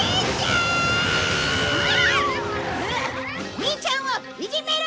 ミィちゃんをいじめるな！